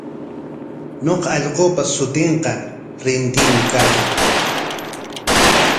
Ñuqa allqupa shutinqa Rintinmi karqan.